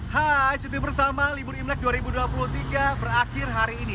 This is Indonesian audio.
hah cuti bersama libur imlek dua ribu dua puluh tiga berakhir hari ini